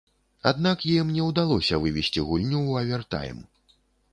Аднак ім не ўдалося вывесці гульню ў авертайм.